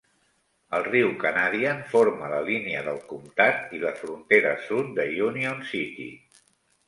El riu Canadian forma la línia del comtat i la frontera sud de Union City.